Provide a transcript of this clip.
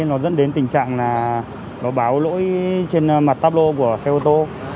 nó dẫn đến tình trạng là nó báo lỗi trên mặt tablo của xe ô tô